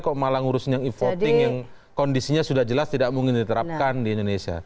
kok malah ngurusin yang e voting yang kondisinya sudah jelas tidak mungkin diterapkan di indonesia